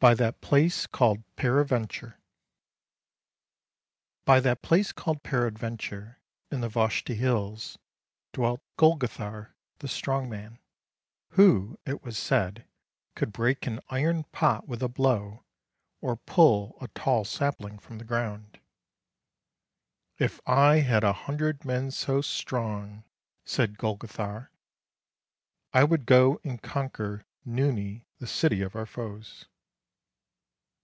BY THAT PLACE CALLED PERAD VENTURE BY that place called Peradventure in the Voshti Hills dwelt Golgothar the strong man, who, it was said, could break an iron pot with a blow, or pull a tall sapling from the ground. " If I had a hundred men so strong," said Golgothar, " I would go and conquer Nooni the city of our foes."